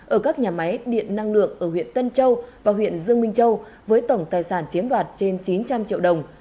ở các nhà máy điện năng lượng ở huyện tân châu và huyện dương minh châu với tổng tài sản chiếm đoạt trên chín trăm linh triệu đồng